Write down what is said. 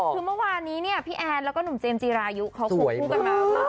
คือเมื่อวานนี้เนี่ยพี่แอนแล้วก็หนุ่มเจมสจีรายุเขาควงคู่กันมา